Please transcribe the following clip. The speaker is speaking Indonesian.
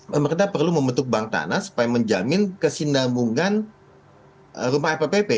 pemerintah perlu membentuk bank tanah supaya menjamin kesindah bungan rumah fppp